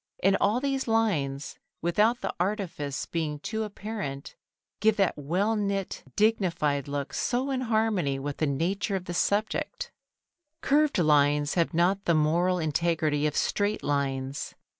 And all these lines, without the artifice being too apparent, give that well knit, dignified look so in harmony with the nature of the subject. [Sidenote: Curved Lines] Curved lines have not the moral integrity of straight lines.